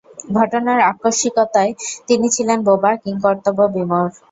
ঘটনার আকস্মিকতায় তিনি ছিলেন বোবা, কিংকর্তব্যবিমূঢ়।